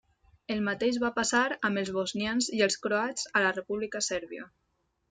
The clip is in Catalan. El mateix va passar amb els bosnians i els croats a la República Sèrbia.